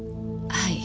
はい。